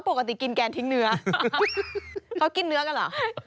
ปกติกินแกนทิ้งเนื้อเขากินเนื้อกันเหรอ